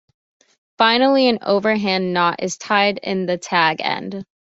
Finally, an overhand knot is tied in the tag end.